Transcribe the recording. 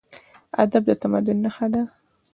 ادب د تمدن نښه ده.